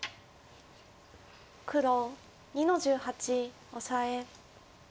黒２の十八オサエ。